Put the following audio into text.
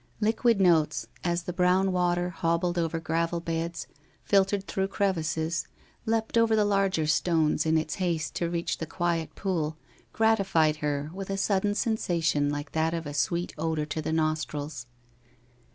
Liquid notes, as the brown water hobbled over gravel beds, filtered through crevices, leapt over the larger stones in its haste to reach the quiet pool gratified her with a sudden sensation like that of a sweet odour to the nostrils.